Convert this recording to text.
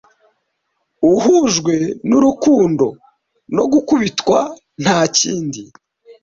Uhujwe nurukundo no gukubitwa ntakindi.